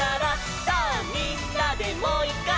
「さぁみんなでもういっかい」